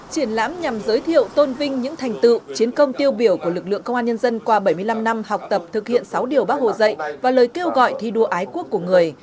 triển lãm nhằm giới thiệu tôn vinh những thành tựu chiến công tiêu biểu của lực lượng công an nhân dân qua bảy mươi năm năm học tập thực hiện sáu điều bác hồ dạy và lời kêu gọi thi đua ái quốc của người